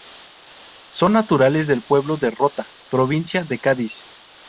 Son naturales del pueblo de Rota provincia de Cádiz.